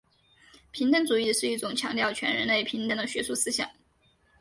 平等主义是一种强调全人类平等的学术思想。